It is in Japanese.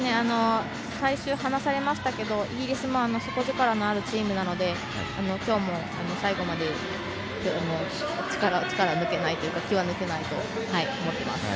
離されましたがイギリスも底力のあるチームですので今日も最後まで力が抜けないというか気は抜けないと思っています。